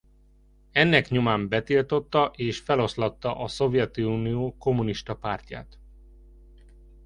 Ennek nyomán betiltotta és feloszlatta a Szovjetunió Kommunista Pártját.